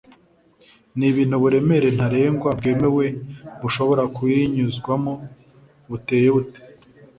n’ibintu uburemere ntarengwa bwemewe bushobora kuyinyuzwamo buteye bute